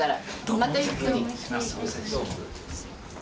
またゆっくり。